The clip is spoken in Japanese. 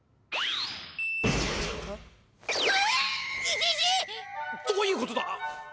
イシシ！どういうことだ！